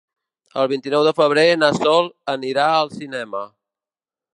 El vint-i-nou de febrer na Sol anirà al cinema.